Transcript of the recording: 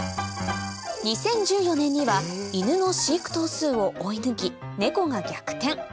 ２０１４年にはイヌの飼育頭数を追い抜きネコが逆転